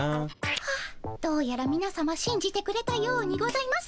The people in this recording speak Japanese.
ホッどうやらみなさましんじてくれたようにございます。